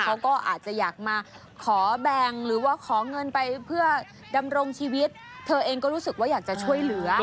เขาก็อาจจะอยากมาขอแบ่งหรือว่าขอเงินไปเพื่อดำรงชีวิตเธอเองก็รู้สึกว่าอยากจะช่วยเหลือ